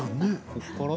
こっから。